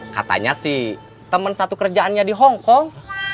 katanya si temen satu kerjaannya di hongkong